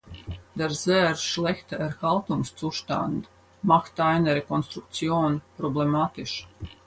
Der sehr schlechte Erhaltungszustand macht eine Rekonstruktion problematisch.